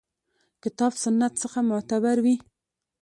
کتاب سنت څخه معتبر وي.